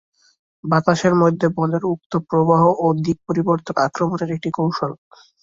বাতাসের মধ্যে বলের উক্ত প্রবাহ ও দিক পরিবর্তন আক্রমনের একটি কৌশল।